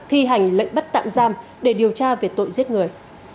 thi hành lệnh bắt tạm giam để điều tra về tội giết người